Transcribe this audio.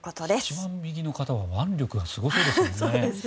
一番右の方は腕力がすごそうですね。